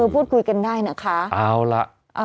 พูดคุยกันได้นะคะ